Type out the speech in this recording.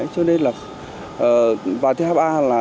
cho nên là và thứ hai là